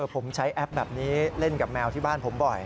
ผมใช้แอปแบบนี้เล่นกับแมวที่บ้านผมบ่อย